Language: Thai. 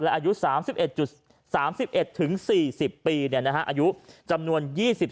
และอายุ๓๑๔๐ปีอายุจำนวน๒๒๑๓